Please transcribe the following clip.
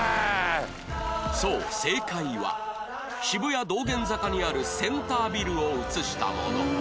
そう正解は渋谷道玄坂にあるセンタービルを写したもの